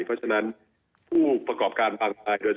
เพราะฉะนั้นผู้ประกอบการบางราย